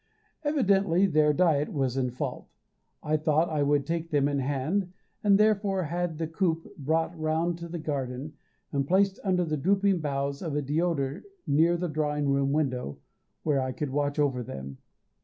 Evidently their diet was in fault; I thought I would take them in hand, and therefore had the coop brought round to the garden, and placed under the drooping boughs of a deodar near the drawing room window, where I could watch over them.